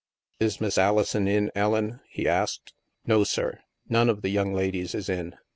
*' Is Miss Alison in, Ellen ?" he asked. " No, sir. None of the young ladies is in.